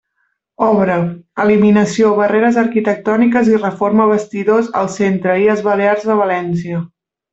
Obra: eliminació barreres arquitectòniques i reforma vestidors al centre IES Balears de València.